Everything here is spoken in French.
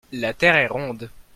la terre est ronde.